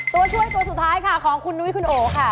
ตัวช่วยตัวสุดท้ายค่ะของคุณนุ้ยคุณโอค่ะ